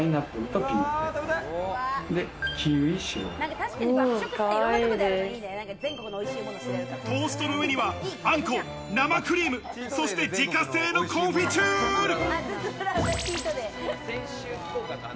トーストの上には、あんこ、生クリーム、そして自家製のコンフィチュール。